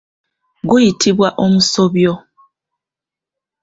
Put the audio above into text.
Guyutibwa omusobyo.